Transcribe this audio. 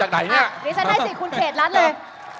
คุณเขตรัฐพยายามจะบอกว่าโอ้เลิกพูดเถอะประชาธิปไตย